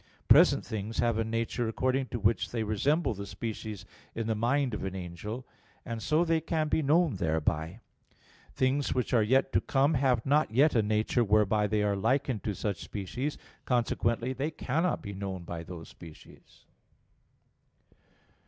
Present things have a nature according to which they resemble the species in the mind of an angel: and so they can be known thereby. Things which are yet to come have not yet a nature whereby they are likened to such species; consequently, they cannot be known by those species.